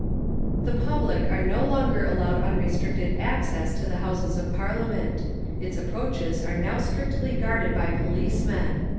The public are no longer allowed unrestricted access to the Houses of Parliament; its approaches are now strictly guarded by policemen.